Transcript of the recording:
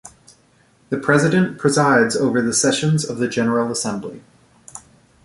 The President presides over the sessions of the General Assembly.